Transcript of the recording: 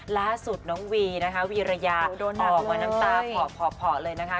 ล่าสุดน้องวีนะคะวีระยะโอ้โดนหักเลยออกมาน้ำตาเพาะเพาะเพาะเลยนะคะ